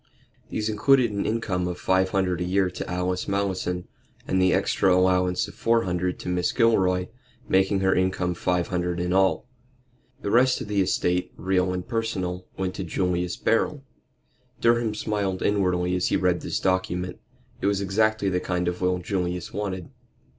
These included an income of five hundred a year to Alice Malleson, and the extra allowance of four hundred to Mrs. Gilroy, making her income five hundred in all. The rest of the estate, real and personal, went to Julius Beryl. Durham smiled inwardly as he read this document. It was exactly the kind of will Julius wanted.